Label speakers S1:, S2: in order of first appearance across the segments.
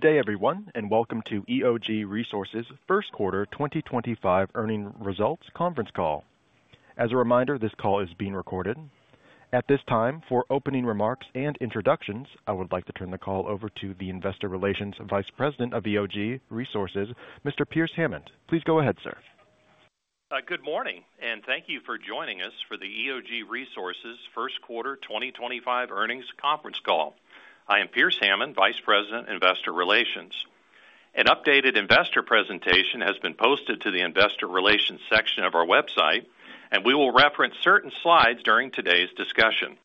S1: Good day, everyone, and welcome to EOG Resources' first quarter 2025 earning results conference call. As a reminder, this call is being recorded. At this time, for opening remarks and introductions, I would like to turn the call over to the Investor Relations Vice President of EOG Resources, Mr. Pearce Hammond. Please go ahead, sir.
S2: Good morning, and thank you for joining us for the EOG Resources' first quarter 2025 earnings conference call. I am Pearce Hammond, Vice President, Investor Relations. An updated investor presentation has been posted to the Investor Relations section of our website, and we will reference certain slides during today's discussion.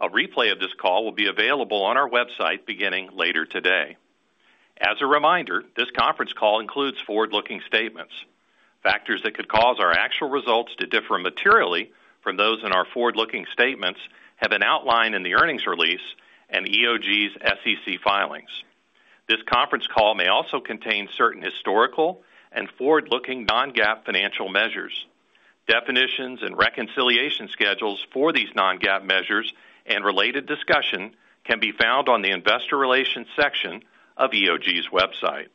S2: A replay of this call will be available on our website beginning later today. As a reminder, this conference call includes forward-looking statements. Factors that could cause our actual results to differ materially from those in our forward-looking statements have been outlined in the earnings release and EOG's SEC filings. This conference call may also contain certain historical and forward-looking non-GAAP financial measures. Definitions and reconciliation schedules for these non-GAAP measures and related discussion can be found on the Investor Relations section of EOG's website.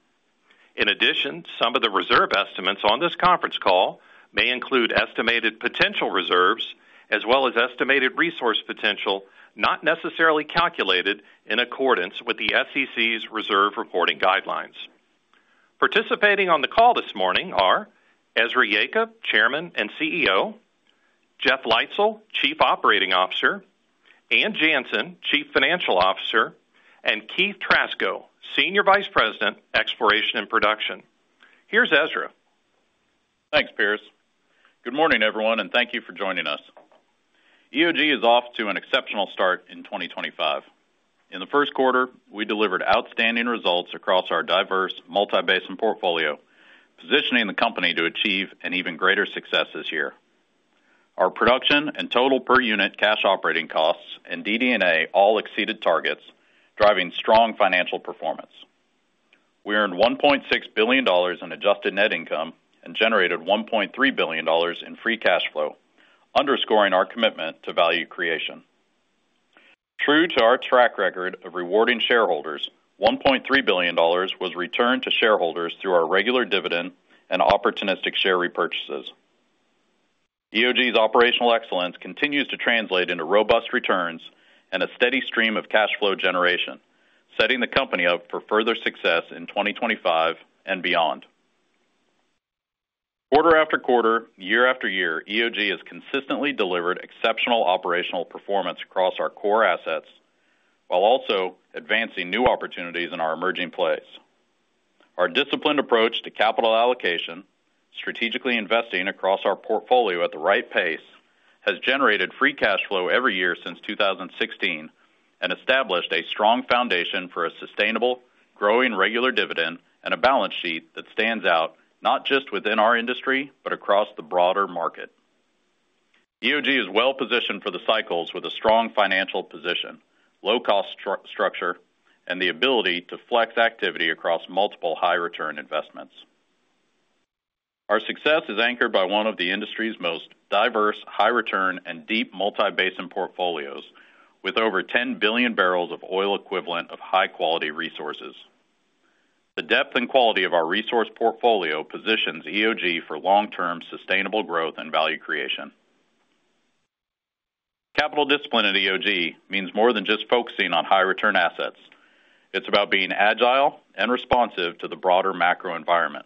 S2: In addition, some of the reserve estimates on this conference call may include estimated potential reserves as well as estimated resource potential not necessarily calculated in accordance with the SEC's reserve reporting guidelines. Participating on the call this morning are Ezra Yacob, Chairman and CEO, Jeff Leitzell, Chief Operating Officer, Ann Janssen, Chief Financial Officer, and Keith Trasko, Senior Vice President, Exploration and Production. Here's Ezra.
S3: Thanks, Pearce. Good morning, everyone, and thank you for joining us. EOG is off to an exceptional start in 2025. In the first quarter, we delivered outstanding results across our diverse multi-basin portfolio, positioning the company to achieve even greater success this year. Our production and total per unit cash operating costs and DD&A all exceeded targets, driving strong financial performance. We earned $1.6 billion in adjusted net income and generated $1.3 billion in free cash flow, underscoring our commitment to value creation. True to our track record of rewarding shareholders, $1.3 billion was returned to shareholders through our regular dividend and opportunistic share repurchases. EOG's operational excellence continues to translate into robust returns and a steady stream of cash flow generation, setting the company up for further success in 2025 and beyond. Quarter after quarter, year after year, EOG has consistently delivered exceptional operational performance across our core assets while also advancing new opportunities in our emerging plays. Our disciplined approach to capital allocation, strategically investing across our portfolio at the right pace, has generated free cash flow every year since 2016 and established a strong foundation for a sustainable, growing regular dividend and a balance sheet that stands out not just within our industry but across the broader market. EOG is well positioned for the cycles with a strong financial position, low-cost structure, and the ability to flex activity across multiple high-return investments. Our success is anchored by one of the industry's most diverse, high-return, and deep multi-basin portfolios, with over 10 billion barrels of oil equivalent of high-quality resources. The depth and quality of our resource portfolio positions EOG for long-term sustainable growth and value creation. Capital discipline at EOG means more than just focusing on high-return assets. It's about being agile and responsive to the broader macro environment.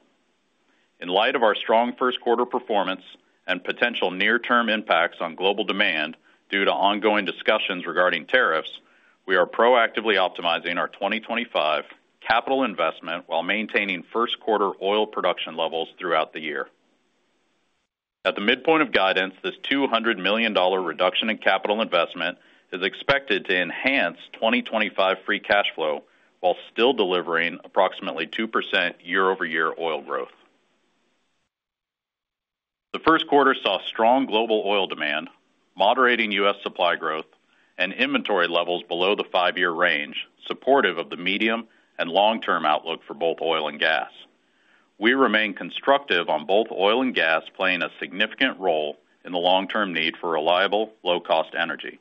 S3: In light of our strong first quarter performance and potential near-term impacts on global demand due to ongoing discussions regarding tariffs, we are proactively optimizing our 2025 capital investment while maintaining first quarter oil production levels throughout the year. At the midpoint of guidance, this $200 million reduction in capital investment is expected to enhance 2025 free cash flow while still delivering approximately 2% year-over-year oil growth. The first quarter saw strong global oil demand, moderating U.S. supply growth, and inventory levels below the five-year range, supportive of the medium and long-term outlook for both oil and gas. We remain constructive on both oil and gas playing a significant role in the long-term need for reliable, low-cost energy.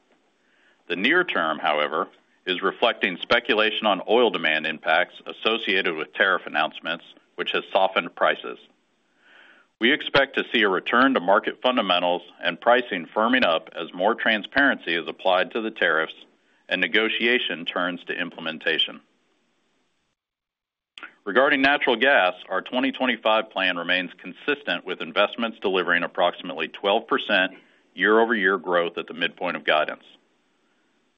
S3: The near term, however, is reflecting speculation on oil demand impacts associated with tariff announcements, which has softened prices. We expect to see a return to market fundamentals and pricing firming up as more transparency is applied to the tariffs and negotiation turns to implementation. Regarding natural gas, our 2025 plan remains consistent with investments delivering approximately 12% year-over-year growth at the midpoint of guidance.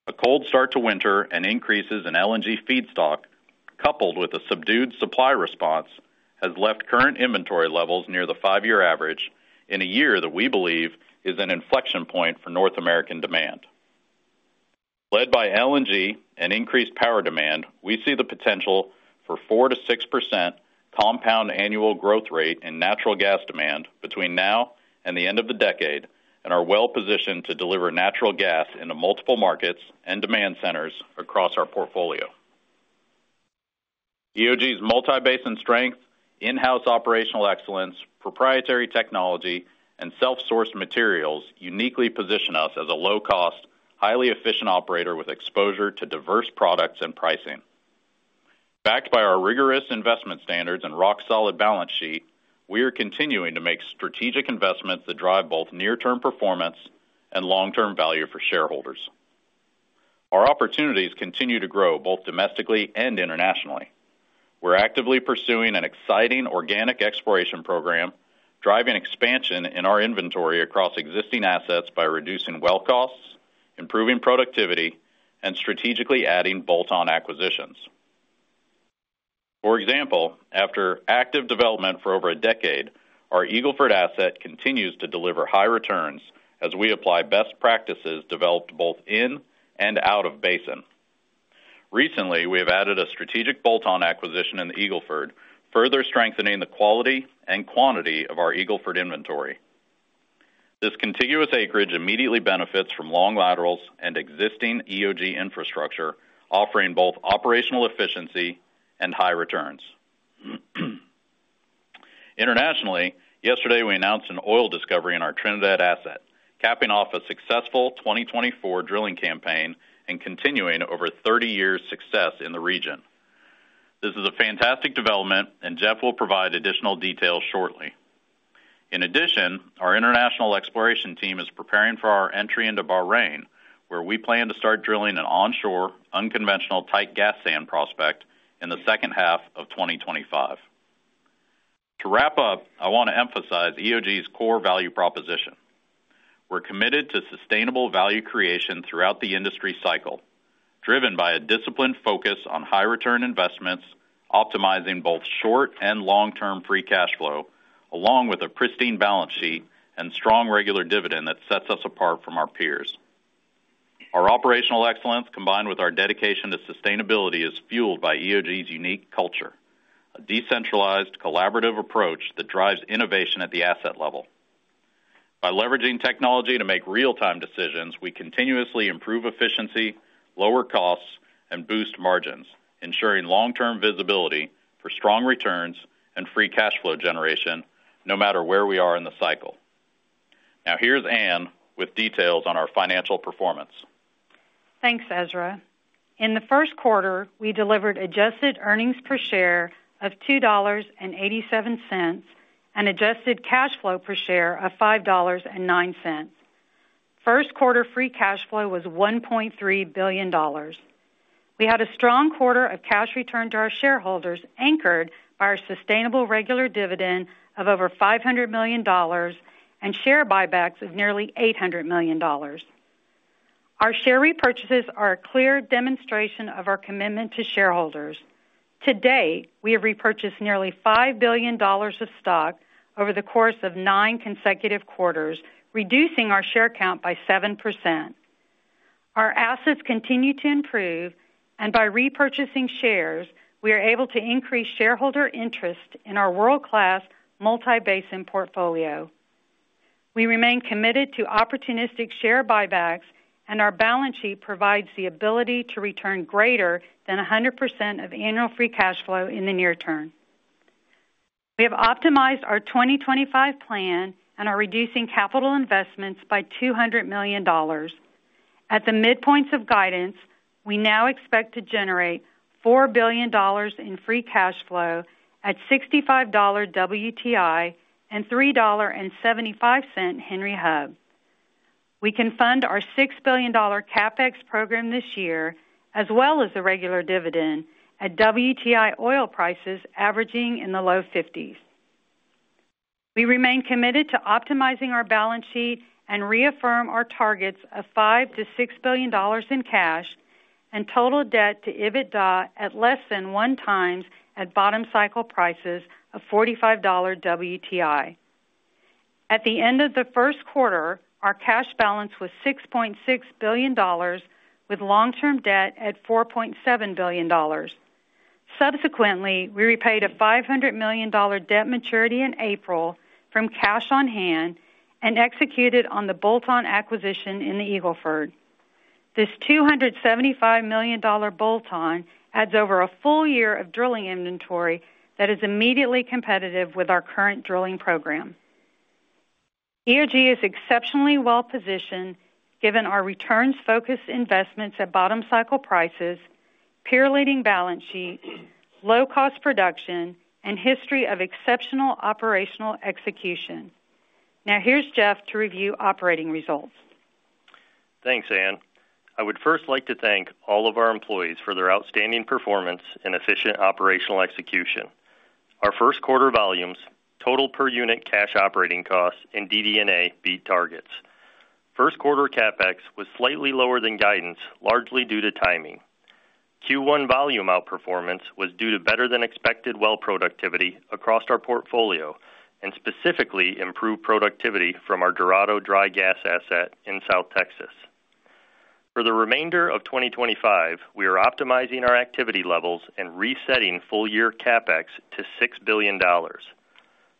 S3: A cold start to winter and increases in LNG feedstock, coupled with a subdued supply response, have left current inventory levels near the five-year average in a year that we believe is an inflection point for North American demand. Led by LNG and increased power demand, we see the potential for 4%-6% compound annual growth rate in natural gas demand between now and the end of the decade and are well positioned to deliver natural gas into multiple markets and demand centers across our portfolio. EOG's multi-basin strength, in-house operational excellence, proprietary technology, and self-sourced materials uniquely position us as a low-cost, highly efficient operator with exposure to diverse products and pricing. Backed by our rigorous investment standards and rock-solid balance sheet, we are continuing to make strategic investments that drive both near-term performance and long-term value for shareholders. Our opportunities continue to grow both domestically and internationally. We're actively pursuing an exciting organic exploration program, driving expansion in our inventory across existing assets by reducing well costs, improving productivity, and strategically adding bolt-on acquisitions. For example, after active development for over a decade, our Eagle Ford asset continues to deliver high returns as we apply best practices developed both in and out of basin. Recently, we have added a strategic bolt-on acquisition in the Eagle Ford, further strengthening the quality and quantity of our Eagle Ford inventory. This contiguous acreage immediately benefits from long laterals and existing EOG infrastructure, offering both operational efficiency and high returns. Internationally, yesterday we announced an oil discovery in our Trinidad asset, capping off a successful 2024 drilling campaign and continuing over 30 years' success in the region. This is a fantastic development, and Jeff will provide additional details shortly. In addition, our international exploration team is preparing for our entry into Bahrain, where we plan to start drilling an onshore, unconventional, tight gas sand prospect in the second half of 2025. To wrap up, I want to emphasize EOG's core value proposition. We're committed to sustainable value creation throughout the industry cycle, driven by a disciplined focus on high-return investments, optimizing both short and long-term free cash flow, along with a pristine balance sheet and strong regular dividend that sets us apart from our peers. Our operational excellence, combined with our dedication to sustainability, is fueled by EOG's unique culture: a decentralized, collaborative approach that drives innovation at the asset level. By leveraging technology to make real-time decisions, we continuously improve efficiency, lower costs, and boost margins, ensuring long-term visibility for strong returns and free cash flow generation no matter where we are in the cycle. Now, here's Ann with details on our financial performance.
S4: Thanks, Ezra. In the first quarter, we delivered adjusted earnings per share of $2.87 and adjusted cash flow per share of $5.09. First quarter free cash flow was $1.3 billion. We had a strong quarter of cash return to our shareholders, anchored by our sustainable regular dividend of over $500 million and share buybacks of nearly $800 million. Our share repurchases are a clear demonstration of our commitment to shareholders. Today, we have repurchased nearly $5 billion of stock over the course of nine consecutive quarters, reducing our share count by 7%. Our assets continue to improve, and by repurchasing shares, we are able to increase shareholder interest in our world-class multi-basin portfolio. We remain committed to opportunistic share buybacks, and our balance sheet provides the ability to return greater than 100% of annual free cash flow in the near term. We have optimized our 2025 plan and are reducing capital investments by $200 million. At the midpoints of guidance, we now expect to generate $4 billion in free cash flow at $65 WTI and $3.75 Henry Hub. We can fund our $6 billion CapEx program this year, as well as the regular dividend, at WTI oil prices averaging in the low 50s. We remain committed to optimizing our balance sheet and reaffirm our targets of $5 billion-$6 billion in cash and total debt to EBITDA at less than one times at bottom cycle prices of $45 WTI. At the end of the first quarter, our cash balance was $6.6 billion, with long-term debt at $4.7 billion. Subsequently, we repaid a $500 million debt maturity in April from cash on hand and executed on the bolt-on acquisition in the Eagle Ford. This $275 million bolt-on adds over a full year of drilling inventory that is immediately competitive with our current drilling program. EOG is exceptionally well positioned given our returns-focused investments at bottom cycle prices, peer-leading balance sheet, low-cost production, and history of exceptional operational execution. Now, here's Jeff to review operating results.
S5: Thanks, Ann. I would first like to thank all of our employees for their outstanding performance and efficient operational execution. Our first quarter volumes, total per unit cash operating costs, and DD&A beat targets. First quarter CapEx was slightly lower than guidance, largely due to timing. Q1 volume outperformance was due to better-than-expected well productivity across our portfolio and specifically improved productivity from our Dorado dry gas asset in South Texas. For the remainder of 2025, we are optimizing our activity levels and resetting full-year CapEx to $6 billion.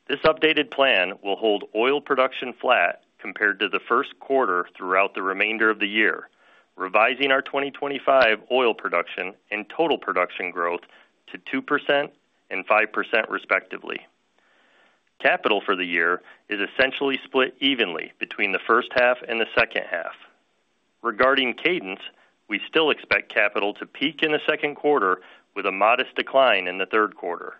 S5: This updated plan will hold oil production flat compared to the first quarter throughout the remainder of the year, revising our 2025 oil production and total production growth to 2% and 5%, respectively. Capital for the year is essentially split evenly between the first half and the second half. Regarding cadence, we still expect capital to peak in the second quarter with a modest decline in the third quarter.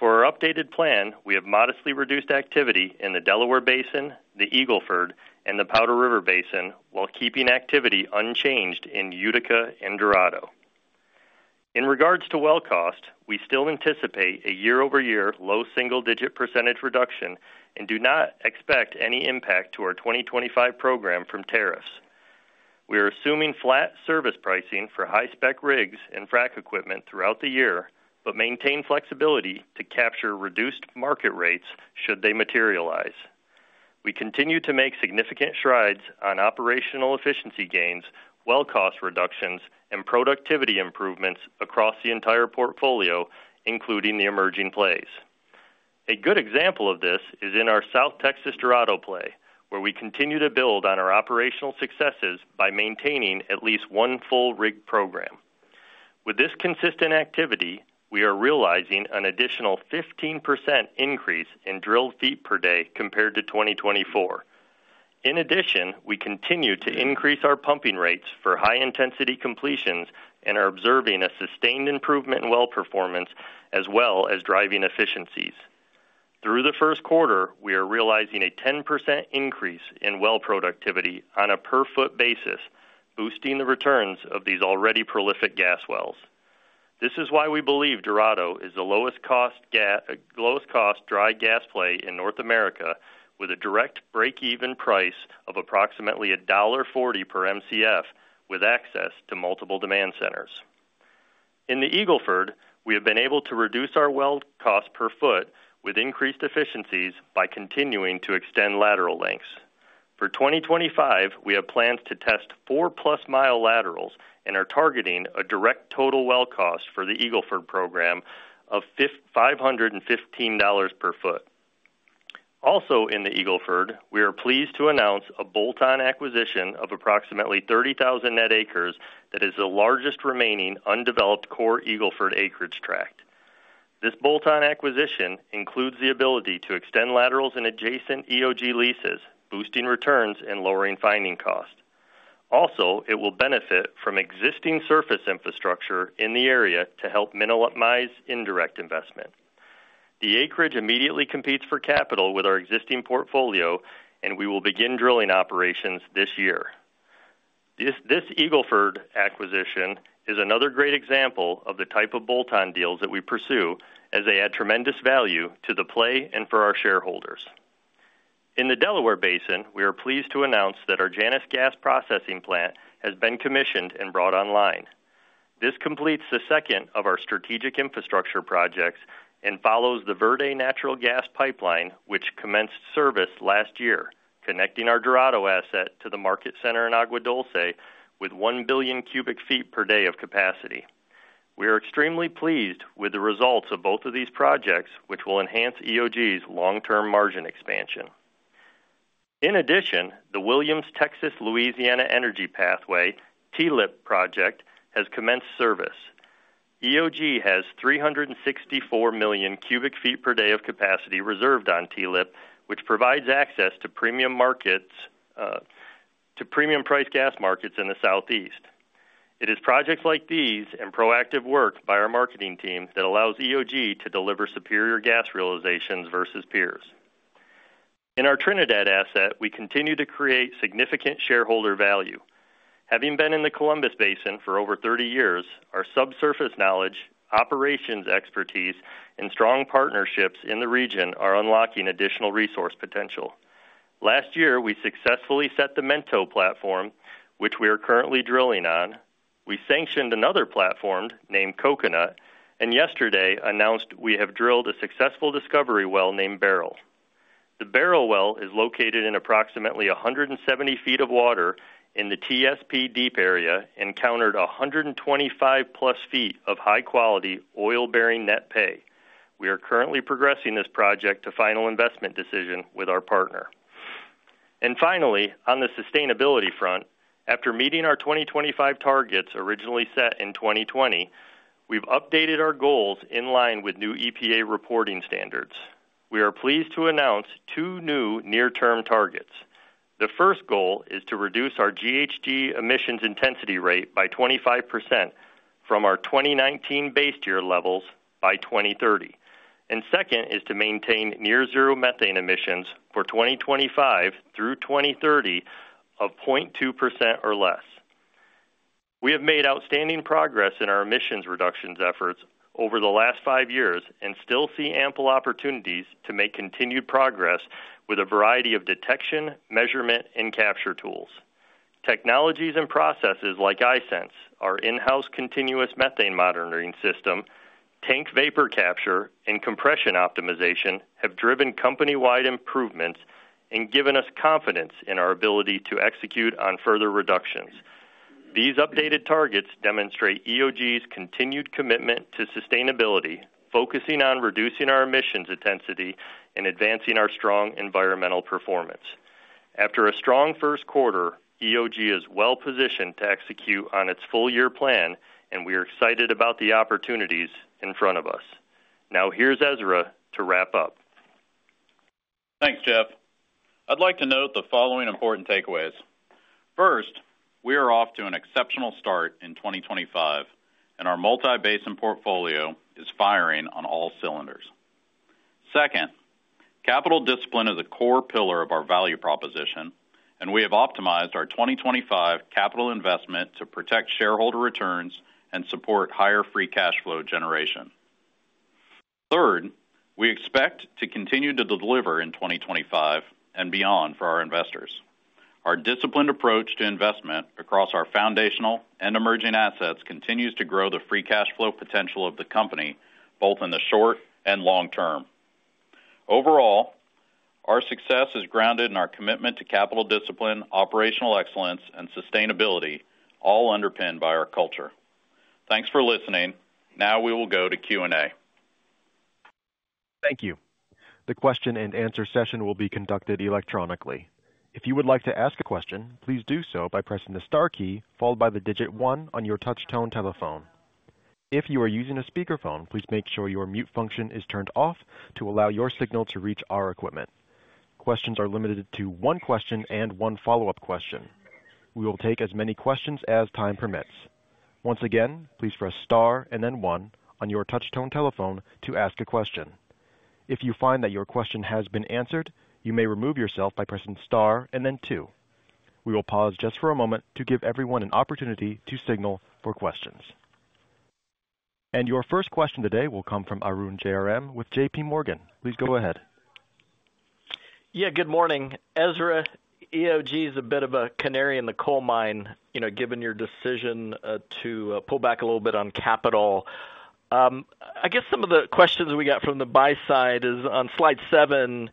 S5: For our updated plan, we have modestly reduced activity in the Delaware Basin, the Eagle Ford, and the Powder River Basin while keeping activity unchanged in Utica and Dorado. In regards to well cost, we still anticipate a year-over-year low single-digit % reduction and do not expect any impact to our 2025 program from tariffs. We are assuming flat service pricing for high-spec rigs and frac equipment throughout the year but maintain flexibility to capture reduced market rates should they materialize. We continue to make significant strides on operational efficiency gains, well cost reductions, and productivity improvements across the entire portfolio, including the emerging plays. A good example of this is in our South Texas Dorado play, where we continue to build on our operational successes by maintaining at least one full rig program. With this consistent activity, we are realizing an additional 15% increase in drilled feet per day compared to 2024. In addition, we continue to increase our pumping rates for high-intensity completions and are observing a sustained improvement in well performance as well as driving efficiencies. Through the first quarter, we are realizing a 10% increase in well productivity on a per-foot basis, boosting the returns of these already prolific gas wells. This is why we believe Dorado is the lowest-cost dry gas play in North America, with a direct break-even price of approximately $1.40 per Mcf with access to multiple demand centers. In the Eagle Ford, we have been able to reduce our well cost per foot with increased efficiencies by continuing to extend lateral lengths. For 2025, we have plans to test four-plus-mile laterals and are targeting a direct total well cost for the Eagle Ford program of $515 per foot. Also, in the Eagle Ford, we are pleased to announce a bolt-on acquisition of approximately 30,000 net acres that is the largest remaining undeveloped core Eagle Ford acreage tract. This bolt-on acquisition includes the ability to extend laterals and adjacent EOG leases, boosting returns and lowering finding cost. Also, it will benefit from existing surface infrastructure in the area to help minimize indirect investment. The acreage immediately competes for capital with our existing portfolio, and we will begin drilling operations this year. This Eagle Ford acquisition is another great example of the type of bolt-on deals that we pursue, as they add tremendous value to the play and for our shareholders. In the Delaware Basin, we are pleased to announce that our Janus Gas Processing Plant has been commissioned and brought online. This completes the second of our strategic infrastructure projects and follows the Verde Natural Gas Pipeline, which commenced service last year, connecting our Dorado asset to the market center in Agua Dulce with 1 billion cubic feet per day of capacity. We are extremely pleased with the results of both of these projects, which will enhance EOG's long-term margin expansion. In addition, the Williams Texas-Louisiana Energy Pathway (TLEP) project has commenced service. EOG has 364 million cubic feet per day of capacity reserved on TLEP, which provides access to premium price gas markets in the Southeast. It is projects like these and proactive work by our marketing team that allows EOG to deliver superior gas realizations versus peers. In our Trinidad asset, we continue to create significant shareholder value. Having been in the Columbus Basin for over 30 years, our subsurface knowledge, operations expertise, and strong partnerships in the region are unlocking additional resource potential. Last year, we successfully set the Mento Platform, which we are currently drilling on. We sanctioned another platform named Coconut, and yesterday announced we have drilled a successful discovery well named Beryl. The Beryl Well is located in approximately 170 feet of water in the TSP deep area and encountered 125+ feet of high-quality oil-bearing net pay. We are currently progressing this project to final investment decision with our partner. Finally, on the sustainability front, after meeting our 2025 targets originally set in 2020, we've updated our goals in line with new EPA reporting standards. We are pleased to announce two new near-term targets. The first goal is to reduce our GHG emissions intensity rate by 25% from our 2019 base year levels by 2030. The second is to maintain near-zero methane emissions for 2025 through 2030 of 0.2% or less. We have made outstanding progress in our emissions reductions efforts over the last five years and still see ample opportunities to make continued progress with a variety of detection, measurement, and capture tools. Technologies and processes like iSense, our in-house continuous methane monitoring system, tank vapor capture, and compression optimization have driven company-wide improvements and given us confidence in our ability to execute on further reductions. These updated targets demonstrate EOG's continued commitment to sustainability, focusing on reducing our emissions intensity and advancing our strong environmental performance. After a strong first quarter, EOG is well positioned to execute on its full-year plan, and we are excited about the opportunities in front of us. Now, here's Ezra to wrap up.
S3: Thanks, Jeff. I'd like to note the following important takeaways. First, we are off to an exceptional start in 2025, and our multi-basin portfolio is firing on all cylinders. Second, capital discipline is a core pillar of our value proposition, and we have optimized our 2025 capital investment to protect shareholder returns and support higher free cash flow generation. Third, we expect to continue to deliver in 2025 and beyond for our investors. Our disciplined approach to investment across our foundational and emerging assets continues to grow the free cash flow potential of the company both in the short and long term. Overall, our success is grounded in our commitment to capital discipline, operational excellence, and sustainability, all underpinned by our culture. Thanks for listening. Now we will go to Q&A.
S1: Thank you. The question-and-answer session will be conducted electronically. If you would like to ask a question, please do so by pressing the star key followed by the digit one on your touch-tone telephone. If you are using a speakerphone, please make sure your mute function is turned off to allow your signal to reach our equipment. Questions are limited to one question and one follow-up question. We will take as many questions as time permits. Once again, please press star and then one on your touch-tone telephone to ask a question. If you find that your question has been answered, you may remove yourself by pressing star and then two. We will pause just for a moment to give everyone an opportunity to signal for questions. Your first question today will come from Arun Jayaram with JPMorgan. Please go ahead.
S6: Yeah, good morning. Ezra, EOG is a bit of a canary in the coal mine, given your decision to pull back a little bit on capital. I guess some of the questions we got from the buy side is on slide seven,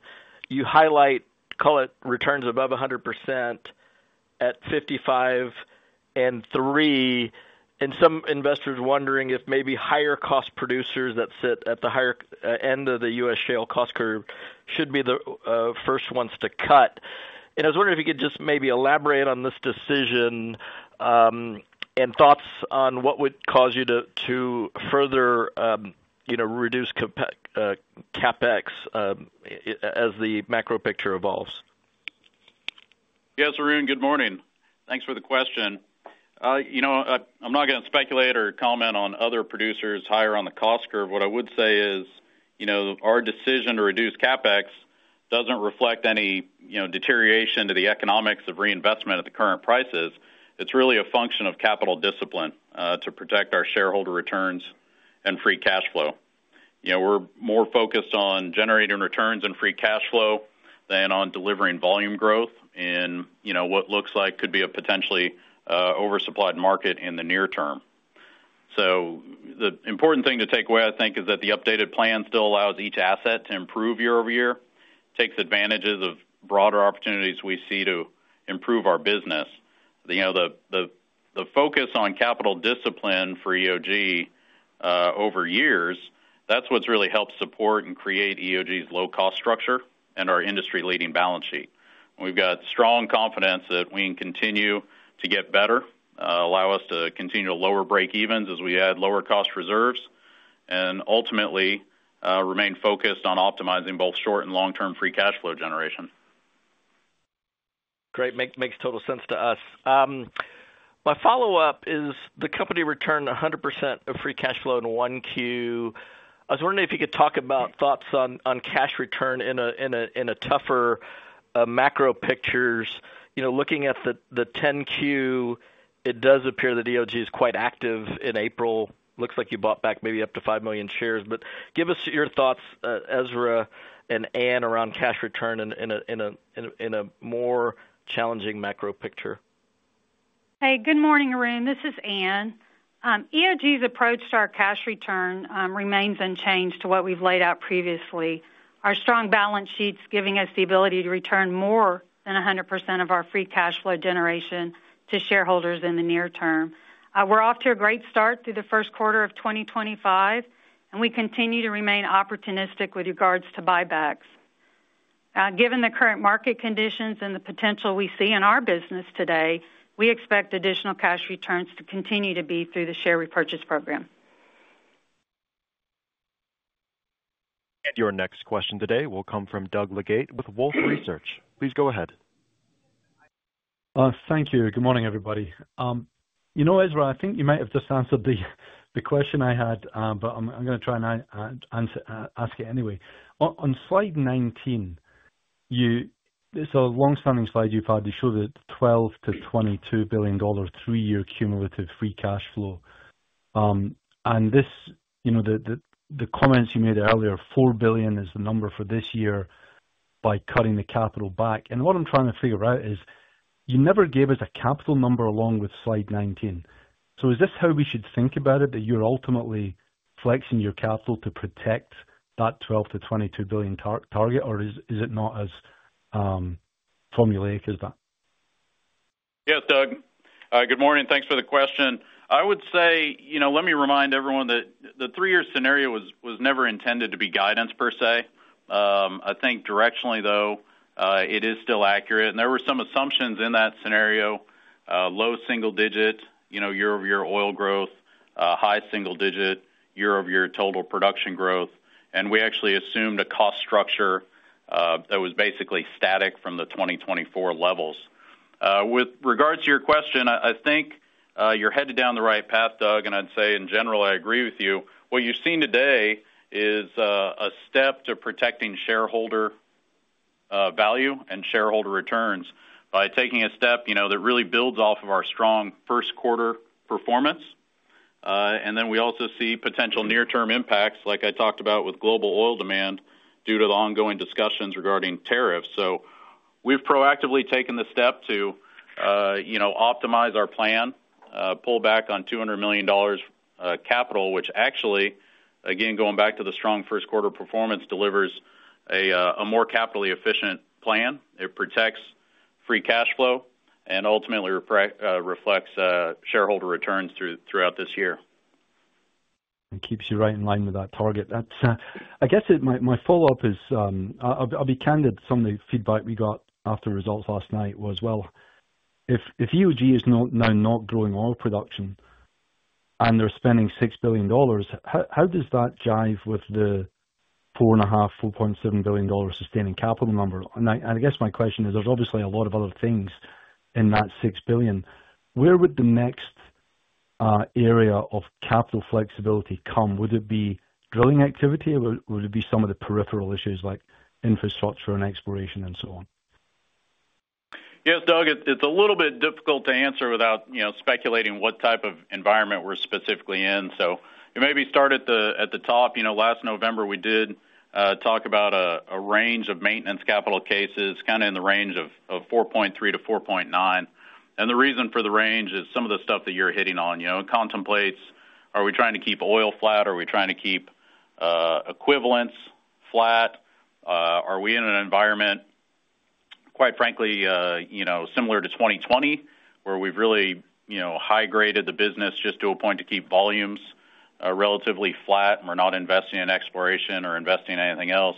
S6: you highlight, call it returns above 100% at $55 and $3, and some investors wondering if maybe higher cost producers that sit at the higher end of the U.S. shale cost curve should be the first ones to cut. I was wondering if you could just maybe elaborate on this decision and thoughts on what would cause you to further reduce CapEx as the macro picture evolves.
S3: Yes, Arun, good morning. Thanks for the question. I'm not going to speculate or comment on other producers higher on the cost curve. What I would say is our decision to reduce CapEx doesn't reflect any deterioration to the economics of reinvestment at the current prices. It's really a function of capital discipline to protect our shareholder returns and free cash flow. We're more focused on generating returns and free cash flow than on delivering volume growth in what looks like could be a potentially oversupplied market in the near term. The important thing to take away, I think, is that the updated plan still allows each asset to improve year over year, takes advantages of broader opportunities we see to improve our business. The focus on capital discipline for EOG over years, that's what's really helped support and create EOG's low-cost structure and our industry-leading balance sheet. We've got strong confidence that we can continue to get better, allow us to continue to lower break-evens as we add lower cost reserves, and ultimately remain focused on optimizing both short and long-term free cash flow generation.
S6: Great. Makes total sense to us. My follow-up is the company returned 100% of free cash flow in one Q. I was wondering if you could talk about thoughts on cash return in a tougher macro picture. Looking at the 10Q, it does appear that EOG is quite active in April. Looks like you bought back maybe up to 5 million shares. Give us your thoughts, Ezra and Ann, around cash return in a more challenging macro picture.
S4: Hey, good morning, Arun. This is Ann. EOG's approach to our cash return remains unchanged to what we've laid out previously. Our strong balance sheet's giving us the ability to return more than 100% of our free cash flow generation to shareholders in the near term. We're off to a great start through the first quarter of 2025, and we continue to remain opportunistic with regards to buybacks. Given the current market conditions and the potential we see in our business today, we expect additional cash returns to continue to be through the share repurchase program.
S1: Your next question today will come from Doug Leggate with Wolfe Research. Please go ahead.
S7: Thank you. Good morning, everybody. You know, Ezra, I think you might have just answered the question I had, but I'm going to try and ask it anyway. On slide 19, it's a long-standing slide you've had. You showed it, $12 billion-$22 billion, three-year cumulative free cash flow. And the comments you made earlier, $4 billion is the number for this year by cutting the capital back. What I'm trying to figure out is you never gave us a capital number along with slide 19. Is this how we should think about it, that you're ultimately flexing your capital to protect that $12 billion-$22 billion target, or is it not as formulaic as that?
S3: Yes, Doug. Good morning. Thanks for the question. I would say, let me remind everyone that the three-year scenario was never intended to be guidance per se. I think directionally, though, it is still accurate. There were some assumptions in that scenario: low single-digit year-over-year oil growth, high single-digit year-over-year total production growth. We actually assumed a cost structure that was basically static from the 2024 levels. With regards to your question, I think you're headed down the right path, Doug, and I'd say, in general, I agree with you. What you've seen today is a step to protecting shareholder value and shareholder returns by taking a step that really builds off of our strong first-quarter performance. We also see potential near-term impacts, like I talked about, with global oil demand due to the ongoing discussions regarding tariffs. We have proactively taken the step to optimize our plan, pull back on $200 million capital, which actually, again, going back to the strong first-quarter performance, delivers a more capitally efficient plan. It protects free cash flow and ultimately reflects shareholder returns throughout this year.
S7: It keeps you right in line with that target. I guess my follow-up is, I'll be candid, some of the feedback we got after results last night was, well, if EOG is now not growing oil production and they're spending $6 billion, how does that jive with the $4.5 billion-$4.7 billion sustaining capital number? I guess my question is, there's obviously a lot of other things in that $6 billion. Where would the next area of capital flexibility come? Would it be drilling activity? Would it be some of the peripheral issues like infrastructure and exploration and so on?
S3: Yes, Doug, it's a little bit difficult to answer without speculating what type of environment we're specifically in. You maybe start at the top. Last November, we did talk about a range of maintenance capital cases, kind of in the range of $4.3 billion-$4.9 billion. The reason for the range is some of the stuff that you're hitting on contemplates. Are we trying to keep oil flat? Are we trying to keep equivalents flat? Are we in an environment, quite frankly, similar to 2020, where we've really high-graded the business just to a point to keep volumes relatively flat and we're not investing in exploration or investing in anything else?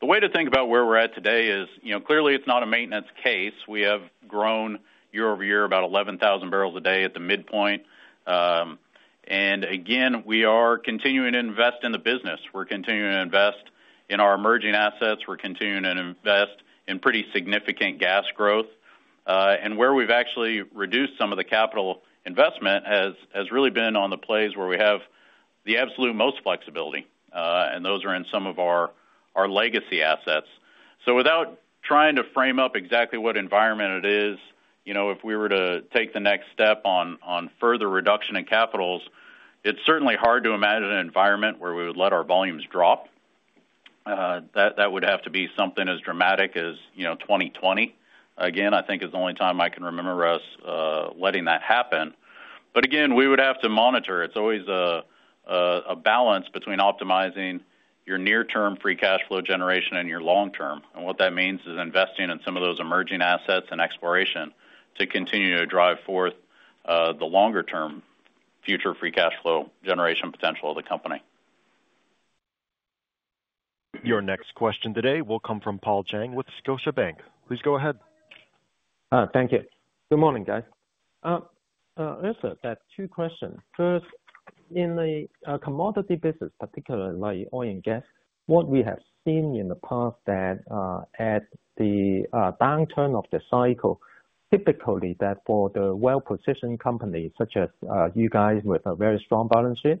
S3: The way to think about where we're at today is, clearly, it's not a maintenance case. We have grown year over year about 11,000 barrels a day at the midpoint. We are continuing to invest in the business. We're continuing to invest in our emerging assets. We're continuing to invest in pretty significant gas growth. Where we've actually reduced some of the capital investment has really been on the plays where we have the absolute most flexibility, and those are in some of our legacy assets. Without trying to frame up exactly what environment it is, if we were to take the next step on further reduction in capital, it's certainly hard to imagine an environment where we would let our volumes drop. That would have to be something as dramatic as 2020. I think it's the only time I can remember us letting that happen. We would have to monitor. It's always a balance between optimizing your near-term free cash flow generation and your long-term. What that means is investing in some of those emerging assets and exploration to continue to drive forth the longer-term future free cash flow generation potential of the company.
S1: Your next question today will come from Paul Chang with Scotiabank. Please go ahead.
S8: Thank you. Good morning, guys. Ezra, I have two questions. First, in the commodity business, particularly oil and gas, what we have seen in the past is that at the downturn of the cycle, typically for the well-positioned companies such as you guys with a very strong balance sheet,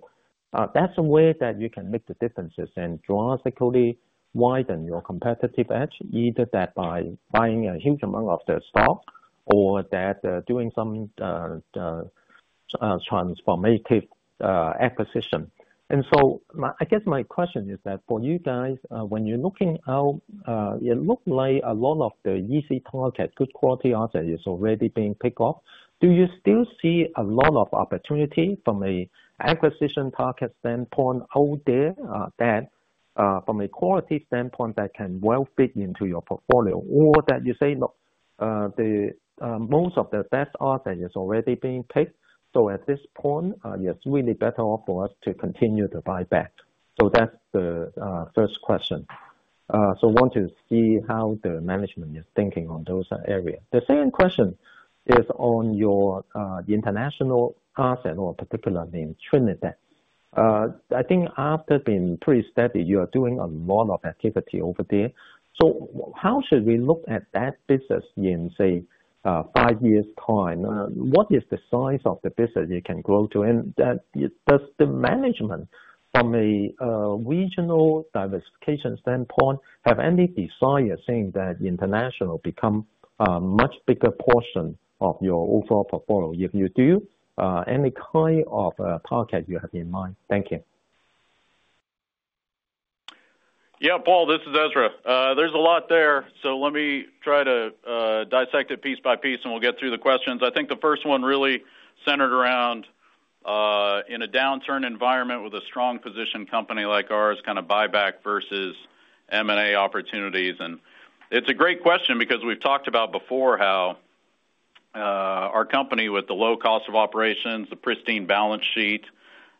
S8: that's a way that you can make the differences and drastically widen your competitive edge, either that by buying a huge amount of their stock or that doing some transformative acquisition. I guess my question is that for you guys, when you're looking out, it looks like a lot of the easy target, good quality asset is already being picked off. Do you still see a lot of opportunity from an acquisition target standpoint out there that from a quality standpoint that can well fit into your portfolio or that you say, look, most of the best asset is already being picked? At this point, it's really better off for us to continue to buy back. That is the first question. I want to see how the management is thinking on those areas. The second question is on your international asset, or particularly in Trinidad. I think after being pretty steady, you are doing a lot of activity over there. How should we look at that business in, say, five years' time? What is the size of the business you can grow to? Does the management, from a regional diversification standpoint, have any desire seeing that international become a much bigger portion of your overall portfolio? If you do, any kind of target you have in mind? Thank you.
S3: Yeah, Paul, this is Ezra. There's a lot there. Let me try to dissect it piece by piece, and we'll get through the questions. I think the first one really centered around, in a downturn environment with a strong-positioned company like ours, kind of buyback versus M&A opportunities. It's a great question because we've talked about before how our company with the low cost of operations, the pristine balance sheet,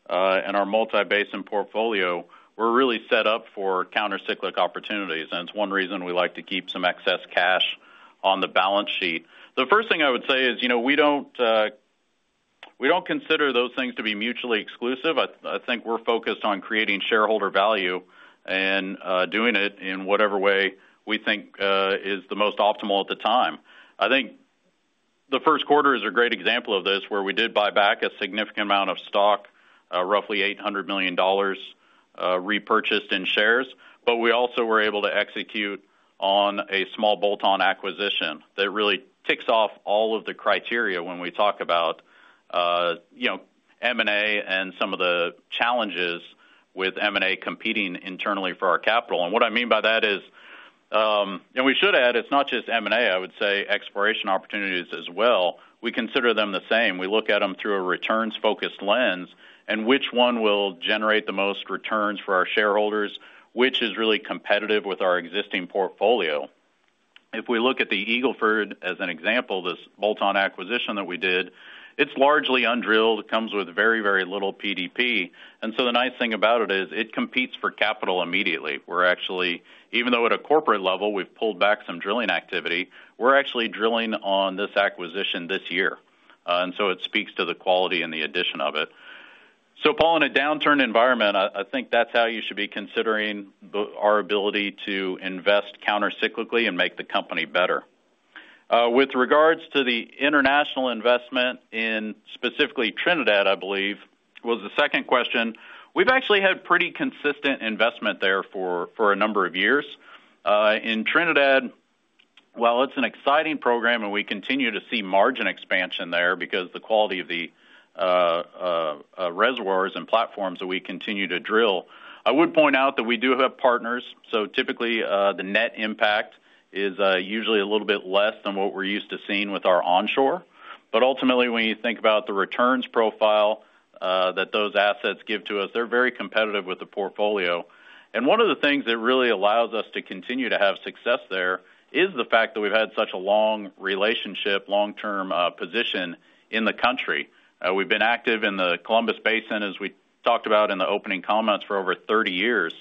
S3: and our multi-basin portfolio, we're really set up for countercyclic opportunities. It's one reason we like to keep some excess cash on the balance sheet. The first thing I would say is we don't consider those things to be mutually exclusive. I think we're focused on creating shareholder value and doing it in whatever way we think is the most optimal at the time. I think the first quarter is a great example of this where we did buy back a significant amount of stock, roughly $800 million repurchased in shares, but we also were able to execute on a small bolt-on acquisition that really ticks off all of the criteria when we talk about M&A and some of the challenges with M&A competing internally for our capital. What I mean by that is, and we should add, it's not just M&A, I would say, exploration opportunities as well. We consider them the same. We look at them through a returns-focused lens and which one will generate the most returns for our shareholders, which is really competitive with our existing portfolio. If we look at the Eagle Ford as an example, this bolt-on acquisition that we did, it's largely undrilled. It comes with very, very little PDP. The nice thing about it is it competes for capital immediately. Even though at a corporate level, we've pulled back some drilling activity, we're actually drilling on this acquisition this year. It speaks to the quality and the addition of it. Paul, in a downturn environment, I think that's how you should be considering our ability to invest countercyclically and make the company better. With regards to the international investment in specifically Trinidad, I believe, was the second question. We've actually had pretty consistent investment there for a number of years. In Trinidad, while it's an exciting program and we continue to see margin expansion there because of the quality of the reservoirs and platforms that we continue to drill, I would point out that we do have partners. Typically, the net impact is usually a little bit less than what we're used to seeing with our onshore. Ultimately, when you think about the returns profile that those assets give to us, they're very competitive with the portfolio. One of the things that really allows us to continue to have success there is the fact that we've had such a long relationship, long-term position in the country. We've been active in the Columbus Basin, as we talked about in the opening comments, for over 30 years.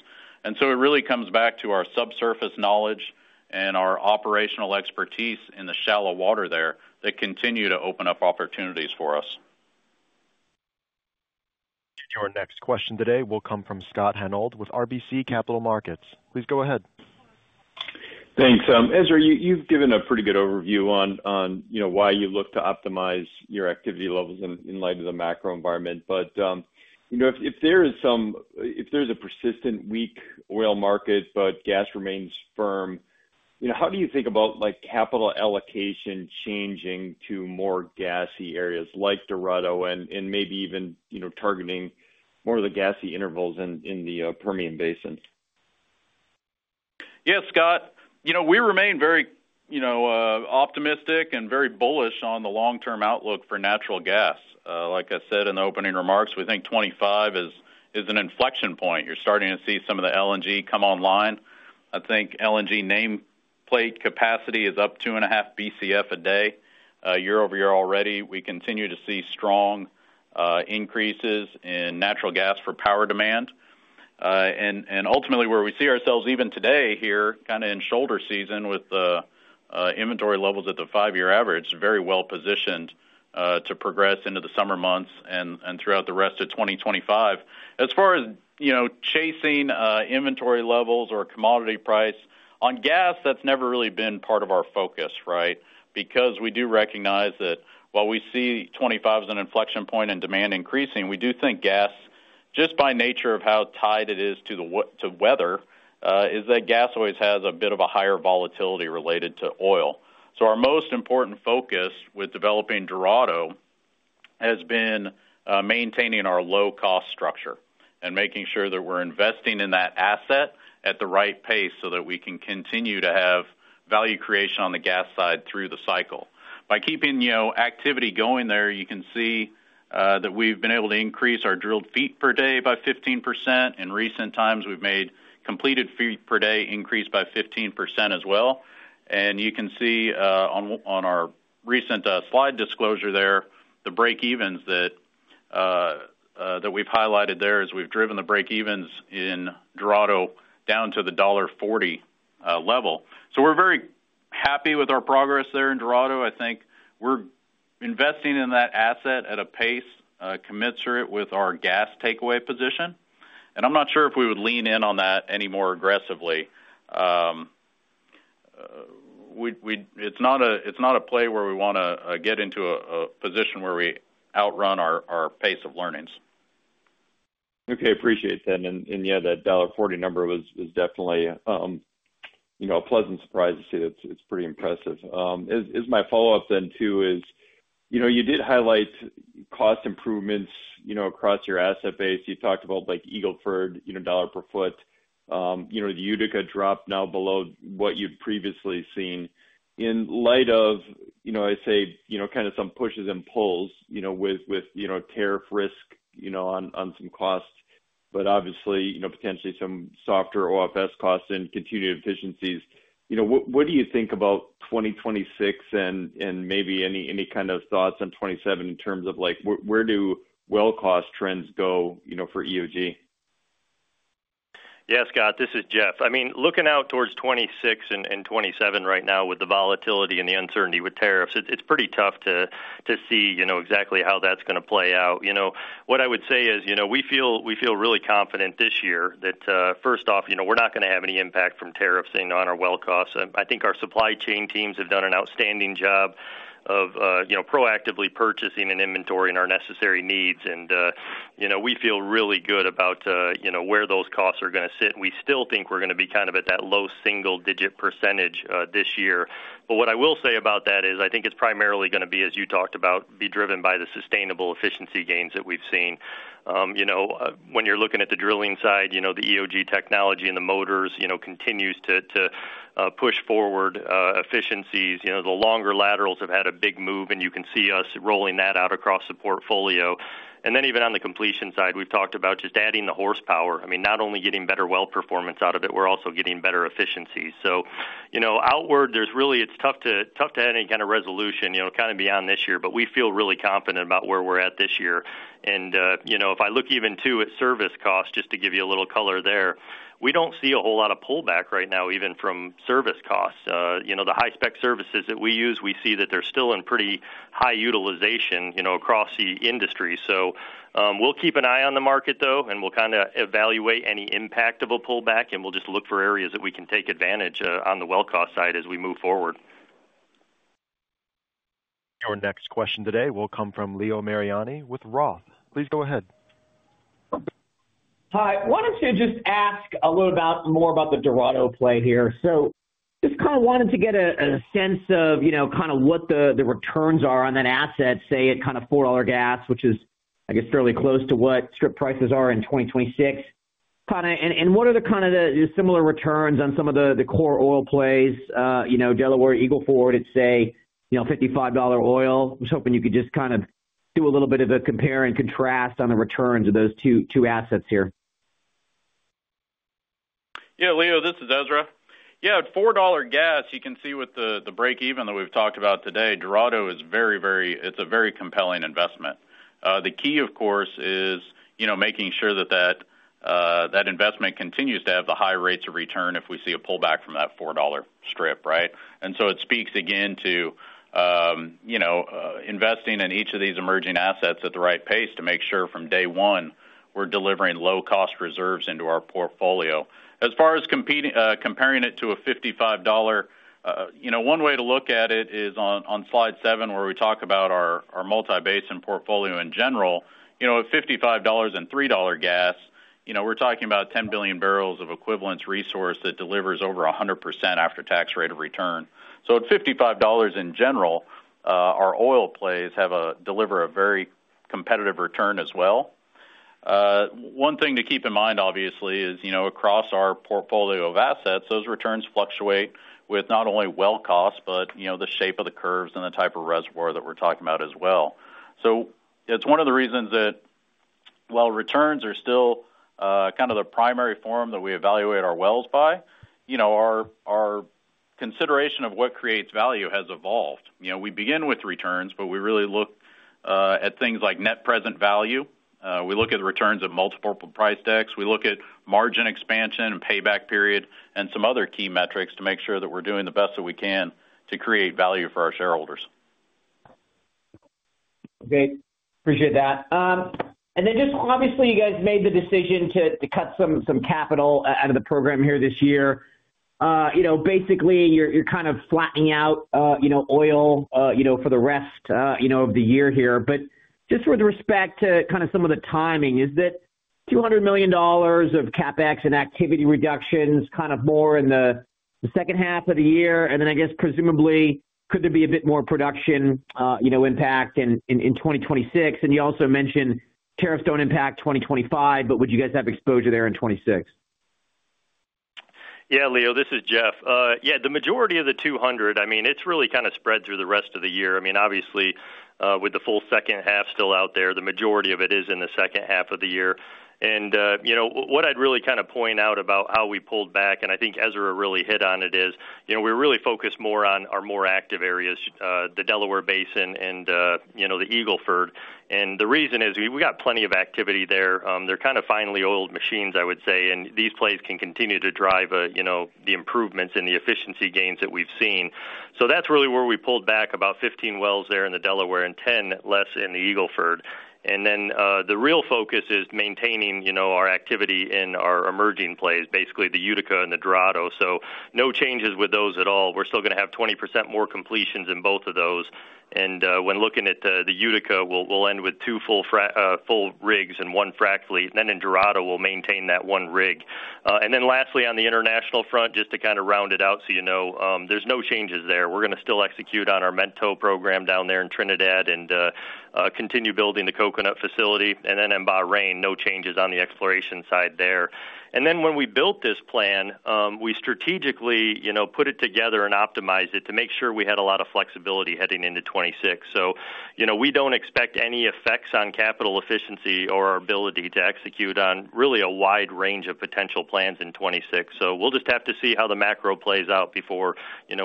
S3: It really comes back to our subsurface knowledge and our operational expertise in the shallow water there that continue to open up opportunities for us.
S1: Your next question today will come from Scott Hanold with RBC Capital Markets. Please go ahead.
S9: Thanks. Ezra, you've given a pretty good overview on why you look to optimize your activity levels in light of the macro environment. If there is a persistent weak oil market, but gas remains firm, how do you think about capital allocation changing to more gassy areas like Dorado and maybe even targeting more of the gassy intervals in the Permian Basin?
S3: Yes, Scott. We remain very optimistic and very bullish on the long-term outlook for natural gas. Like I said in the opening remarks, we think 2025 is an inflection point. You're starting to see some of the LNG come online. I think LNG nameplate capacity is up 2.5 BCF a day year-over-year already. We continue to see strong increases in natural gas for power demand. Ultimately, where we see ourselves even today here, kind of in shoulder season with inventory levels at the five-year average, very well positioned to progress into the summer months and throughout the rest of 2025. As far as chasing inventory levels or commodity price on gas, that's never really been part of our focus, right? Because we do recognize that while we see 2025 as an inflection point and demand increasing, we do think gas, just by nature of how tied it is to weather, is that gas always has a bit of a higher volatility related to oil. Our most important focus with developing Dorado has been maintaining our low-cost structure and making sure that we're investing in that asset at the right pace so that we can continue to have value creation on the gas side through the cycle. By keeping activity going there, you can see that we've been able to increase our drilled feet per day by 15%. In recent times, we've made completed feet per day increase by 15% as well. You can see on our recent slide disclosure there, the break-evens that we've highlighted there is we've driven the break-evens in Dorado down to the $1.40 level. We're very happy with our progress there in Dorado. I think we're investing in that asset at a pace commensurate with our gas takeaway position. I'm not sure if we would lean in on that any more aggressively. It's not a play where we want to get into a position where we outrun our pace of learnings.
S9: Okay, appreciate that. Yeah, that $1.40 number was definitely a pleasant surprise to see. It's pretty impressive. As my follow-up then too is you did highlight cost improvements across your asset base. You talked about Eagle Ford, dollar per foot. The Utica dropped now below what you've previously seen. In light of, I say, kind of some pushes and pulls with tariff risk on some costs, but obviously potentially some softer costs and continued efficiencies, what do you think about 2026 and maybe any kind of thoughts on 2027 in terms of where do well-cost trends go for EOG?
S5: Yeah, Scott, this is Jeff. I mean, looking out towards 2026 and 2027 right now with the volatility and the uncertainty with tariffs, it's pretty tough to see exactly how that's going to play out. What I would say is we feel really confident this year that, first off, we're not going to have any impact from tariffs on our well costs. I think our supply chain teams have done an outstanding job of proactively purchasing and inventorying our necessary needs. We feel really good about where those costs are going to sit. We still think we're going to be kind of at that low single-digit % this year. What I will say about that is I think it's primarily going to be, as you talked about, be driven by the sustainable efficiency gains that we've seen. When you're looking at the drilling side, the EOG technology and the motors continues to push forward efficiencies. The longer laterals have had a big move, and you can see us rolling that out across the portfolio. Even on the completion side, we've talked about just adding the horsepower. I mean, not only getting better well performance out of it, we're also getting better efficiencies. Outward, it's really tough to have any kind of resolution kind of beyond this year, but we feel really confident about where we're at this year. If I look even too at service costs, just to give you a little color there, we don't see a whole lot of pullback right now, even from service costs. The high-spec services that we use, we see that they're still in pretty high utilization across the industry. We'll keep an eye on the market, though, and we'll kind of evaluate any impact of a pullback, and we'll just look for areas that we can take advantage on the well cost side as we move forward.
S1: Your next question today will come from Leo Mariani with ROTH. Please go ahead.
S10: Hi. I wanted to just ask a little more about the Dorado play here. Just kind of wanted to get a sense of kind of what the returns are on that asset, say at kind of $4 gas, which is, I guess, fairly close to what strip prices are in 2026. What are the kind of similar returns on some of the core oil plays, Delaware, Eagle Ford, let's say, $55 oil? I was hoping you could just kind of do a little bit of a compare and contrast on the returns of those two assets here.
S3: Yeah, Leo, this is Ezra. Yeah, at $4 gas, you can see with the break-even that we've talked about today, Dorado is very, very, it's a very compelling investment. The key, of course, is making sure that that investment continues to have the high rates of return if we see a pullback from that $4 strip, right? It speaks again to investing in each of these emerging assets at the right pace to make sure from day one, we're delivering low-cost reserves into our portfolio. As far as comparing it to a $55, one way to look at it is on slide seven where we talk about our multi-basin portfolio in general. At $55 and $3 gas, we're talking about 10 billion barrels of equivalence resource that delivers over 100% after-tax rate of return. At $55 in general, our oil plays have delivered a very competitive return as well. One thing to keep in mind, obviously, is across our portfolio of assets, those returns fluctuate with not only well costs, but the shape of the curves and the type of reservoir that we're talking about as well. It's one of the reasons that, while returns are still kind of the primary form that we evaluate our wells by, our consideration of what creates value has evolved. We begin with returns, but we really look at things like net present value. We look at returns at multiple price decks. We look at margin expansion and payback period and some other key metrics to make sure that we're doing the best that we can to create value for our shareholders.
S10: Okay. Appreciate that. Obviously, you guys made the decision to cut some capital out of the program here this year. Basically, you're kind of flattening out oil for the rest of the year here. Just with respect to kind of some of the timing, is that $200 million of CapEx and activity reductions kind of more in the second half of the year? I guess presumably, could there be a bit more production impact in 2026? You also mentioned tariffs do not impact 2025, but would you guys have exposure there in 2026?
S5: Yeah, Leo, this is Jeff. Yeah, the majority of the 200, I mean, it's really kind of spread through the rest of the year. I mean, obviously, with the full second half still out there, the majority of it is in the second half of the year. What I'd really kind of point out about how we pulled back, and I think Ezra really hit on it, is we're really focused more on our more active areas, the Delaware Basin and the Eagle Ford. The reason is we got plenty of activity there. They're kind of finely oiled machines, I would say, and these plays can continue to drive the improvements and the efficiency gains that we've seen. That's really where we pulled back about 15 wells there in the Delaware and 10 less in the Eagle Ford. The real focus is maintaining our activity in our emerging plays, basically the Utica and the Dorado. No changes with those at all. We're still going to have 20% more completions in both of those. When looking at the Utica, we'll end with two full rigs and one frac crew. In Dorado, we'll maintain that one rig. Lastly, on the international front, just to kind of round it out, you know, there's no changes there. We're going to still execute on our Mento program down there in Trinidad and continue building the Coconut facility. In Bahrain, no changes on the exploration side there. When we built this plan, we strategically put it together and optimized it to make sure we had a lot of flexibility heading into 2026. We do not expect any effects on capital efficiency or our ability to execute on really a wide range of potential plans in 2026. We will just have to see how the macro plays out before